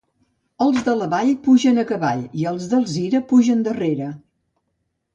Els de la Vall pugen a cavall i els d'Alzira pugen darrere.